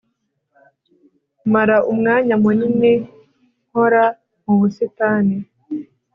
mara umwanya munini nkora mu busitani